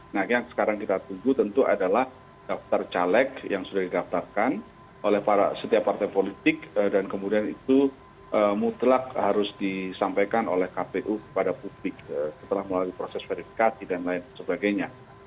nah yang sekarang kita tunggu tentu adalah daftar caleg yang sudah didaftarkan oleh setiap partai politik dan kemudian itu mutlak harus disampaikan oleh kpu kepada publik setelah melalui proses verifikasi dan lain sebagainya